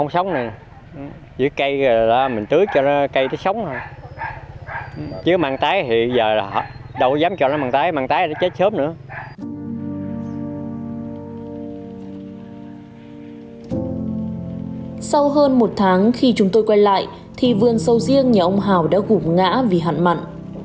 sau hơn một tháng khi chúng tôi quay lại thì vườn sầu riêng nhà ông hào đã gục ngã vì hạn mặn